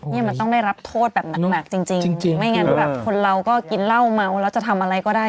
นี่มันต้องได้รับโทษแบบหนักจริงไม่งั้นแบบคนเราก็กินเหล้าเมาแล้วจะทำอะไรก็ได้